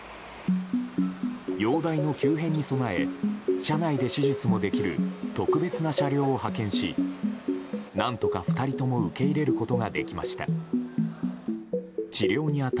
容体の急変に備え車内で手術もできる特別な車両を派遣し何とか２人とも受け入れることができました。